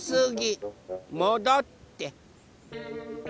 もどって。